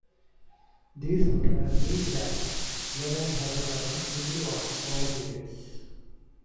These would have leached acids, lead and hydrocarbons into the water over the years.